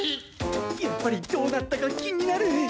やっぱりどうなったか気になる！